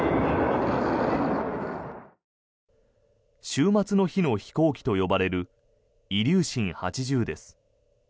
終末の日の飛行機と呼ばれるイリューシン８０です。